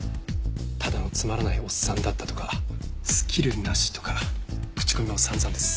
「ただのつまらないおっさんだった」とか「スキルなし」とか口コミも散々です。